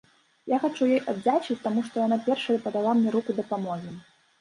Я хачу ёй аддзячыць, таму што яна першай падала мне руку дапамогі.